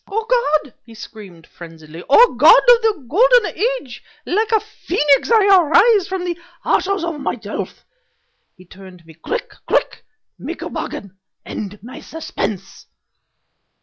"O god!" he screamed, frenziedly "O god of the Golden Age! like a phoenix I arise from the ashes of myself!" He turned to me. "Quick! Quick! make your bargain! End my suspense!"